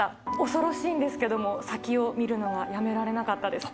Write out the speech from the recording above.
恐ろしいんですけども、先を見るのがやめられなかったです。